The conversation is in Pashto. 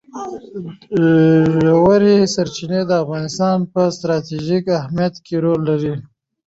ژورې سرچینې د افغانستان په ستراتیژیک اهمیت کې رول لري.